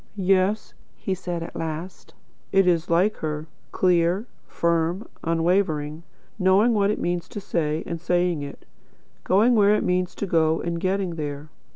"Yes," he said, at last, "it is like her, clear, firm, unwavering; knowing what it means to say, and saying it; going where it means to go, and getting there.